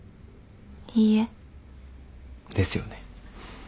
いいえ。ですよね。